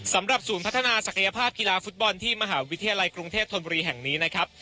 สำหรับศูนย์พัฒนาศักยภาพกีฬาฟุตบอลที่มหาวิทยาลัยกรุงเทพธนบุรีแห่งนี้นะครับ